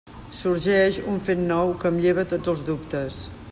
Sorgeix un fet nou que em lleva tots els dubtes.